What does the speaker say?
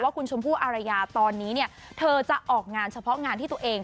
คุณชมพู่อารยาตอนนี้เนี่ยเธอจะออกงานเฉพาะงานที่ตัวเอง